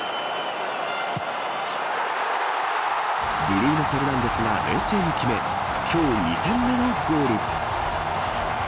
ブルーノ・フェルナンデスが冷静に決め今日２点目のゴール。